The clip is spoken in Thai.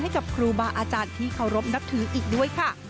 ให้กับครูบาอาจารย์ที่เคารพนับถืออีกด้วยค่ะ